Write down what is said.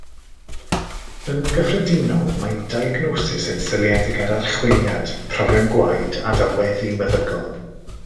Yn gyffredinol, mae diagnosis yn seiliedig ar archwiliad, profion gwaed a delweddu meddygol.